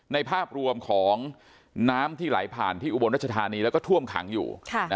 ภาพรวมของน้ำที่ไหลผ่านที่อุบลรัชธานีแล้วก็ท่วมขังอยู่